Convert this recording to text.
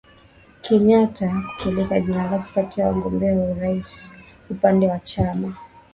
kenyata hakupeleka jina lake kati ya wagombea wa urais upande wa chama